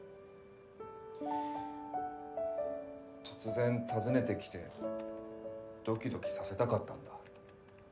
突然訪ねてきてドキドキさせたかったんだ。